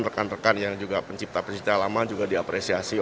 rekan rekan pencipta pencipta lama juga diapresiasi